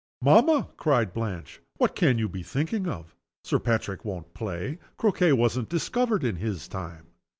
"Mamma!" cried Blanche. "What can you be thinking of? Sir Patrick won't play. Croquet wasn't discovered in his time."